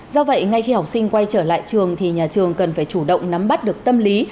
do vậy ngay khi học sinh quay trở lại trường thì nhà trường cần phải chủ động nắm bắt được tâm lý